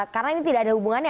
karena ini tidak ada hubungannya